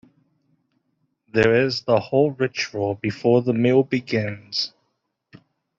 There is the whole ritual before the meal begins.